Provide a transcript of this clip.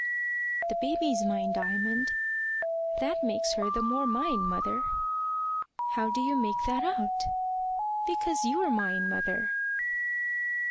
"The baby's mine, Diamond." "That makes her the more mine, mother." "How do you make that out?" "Because you're mine, mother."